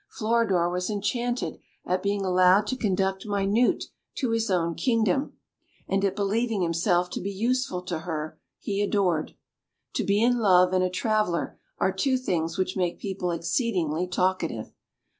Floridor was enchanted at being allowed to conduct Minute to his own kingdom, and at believing himself to be useful to her he adored. To be in love and a traveller are two things which make people exceedingly talkative.